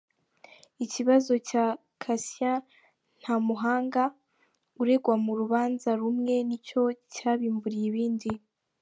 Ikibazo cya Cassien Ntamuhanga uregwa mu rubanza rumwe ni cyo cyabimburiye ibindi.